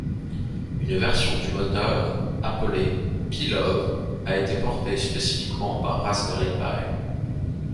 Une version du moteur appelée piLöve, a été portée spécifiquement sur Raspberry Pi.